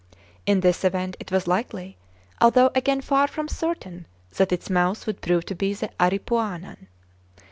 In this event it was likely, although again far from certain, that its mouth would prove to be the Aripuanan.